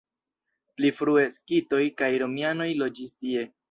Pli frue skitoj kaj romianoj loĝis tie.